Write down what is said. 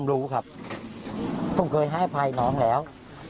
รู้ครับผมเคยให้อภัยน้องแล้ว